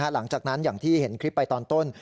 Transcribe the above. หลังจากนั้นอย่างที่เห็นคลิปไปตอนต้น